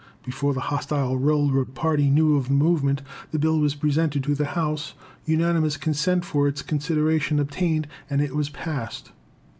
Before the hostile railroad party knew of the movement, the bill was presented to the House, unanimous consent for its consideration obtained, and it was passed.